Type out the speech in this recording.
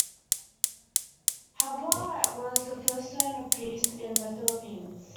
Haba was the first Zone of Peace in the Philippines.